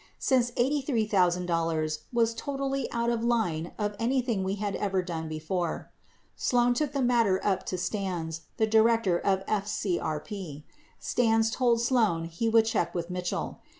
Since $83,000 was "totally out of line of anything we had ever done before," Sloan took the matter up with Stans, the director of FCRP. Stans told Sloan he would check with Mitchell.